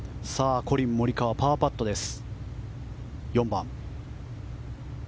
コリン・モリカワ４番、パーパットです。